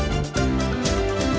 teganya teganya teganya